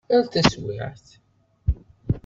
Ar taswiεt!